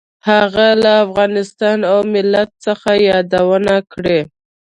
هغه له افغانستان او ملت څخه یادونه کړې.